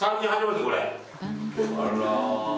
あら。